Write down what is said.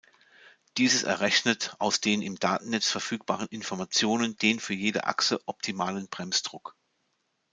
Dieses errechnet aus den im Datennetz verfügbaren Informationen den für jede Achse optimalen Bremsdruck.